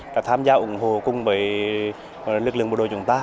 đã tham gia ủng hộ cùng với lực lượng bộ đội chúng ta